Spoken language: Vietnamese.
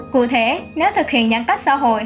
cụ thể nếu thực hiện giãn cách xã hội